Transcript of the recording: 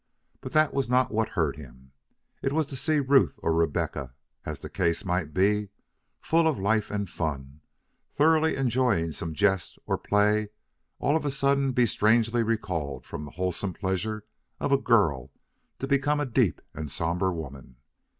But that was not what hurt him. It was to see Ruth or Rebecca, as the case might be, full of life and fun, thoroughly enjoying some jest or play, all of a sudden be strangely recalled from the wholesome pleasure of a girl to become a deep and somber woman.